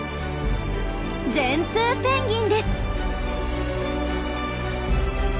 ジェンツーペンギンです。